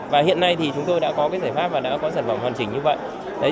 và hiện nay thì chúng tôi đã có cái giải pháp và đã có sản phẩm hoàn chỉnh như vậy